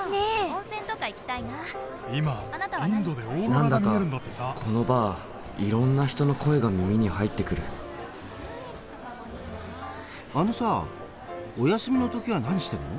何だかこのバーいろんな人の声が耳に入ってくるあのさお休みの時は何してるの？